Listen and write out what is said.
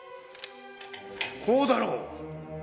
こうだろう！